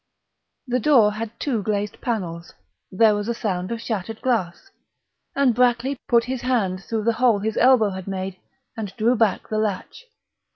The door had two glazed panels; there was a sound of shattered glass; and Brackley put his hand through the hole his elbow had made and drew back the latch.